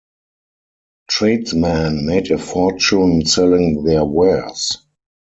Tradesmen made a fortune selling their wares.